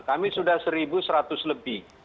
kami sudah satu seratus lebih